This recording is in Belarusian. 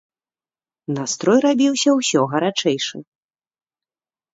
Настрой рабіўся ўсё гарачэйшы.